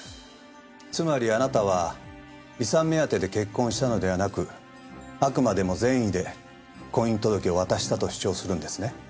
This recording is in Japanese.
つまりあなたは遺産目当てで結婚したのではなくあくまでも善意で婚姻届を渡したと主張するんですね？